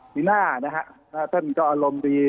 ฝีหน้านะครับส่วนก็อารมณ์ดี